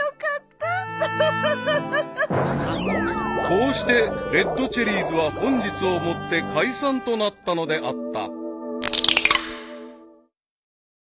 ［こうしてレッドチェリーズは本日をもって解散となったのであった］